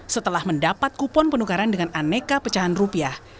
setelah mendapat kupon penukaran dengan aneka pecahan rupiah